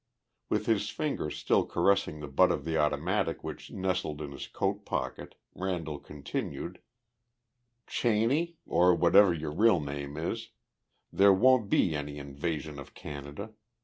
With his fingers still caressing the butt of the automatic which nestled in his coat pocket, Randall continued: "Cheney or whatever your real name is there won't be any invasion of Canada.